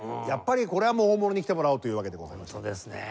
やっぱりこれはもう大物に来てもらおうというわけでございまして。